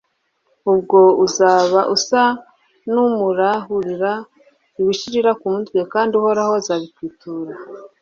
ubwo uzaba usa n'umurahurira ibishirira ku mutwe, kandi uhoraho azabikwitura